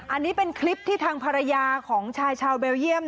อันนี้เป็นคลิปที่ทางภรรยาของชายชาวเบลเยี่ยม